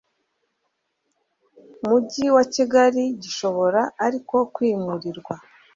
mugi wa kigali gishobora ariko kwimurirwa